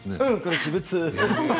私物。